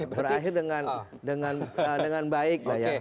berakhir dengan baik lah ya